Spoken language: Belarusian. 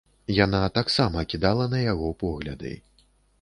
Яна таксама кідала на яго погляды.